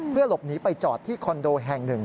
เพื่อหลบหนีไปจอดที่คอนโดแห่งหนึ่ง